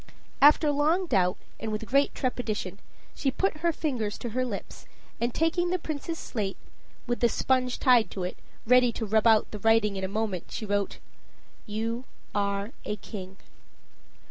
After long doubt, and with great trepidation, she put her fingers to her lips, and taking the Prince's slate with the sponge tied to it, ready to rub out the writing in a minute she wrote: "You are a king."